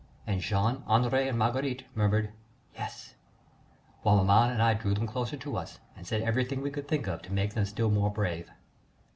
And Jean, André, and Marguerite murmured: "Yes!" whilst maman and I drew them closer to us and said everything we could think of to make them still more brave.